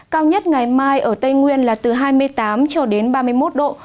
cao nhất ngày mai ở tây nguyên là từ hai mươi tám cho đến ba mươi một độ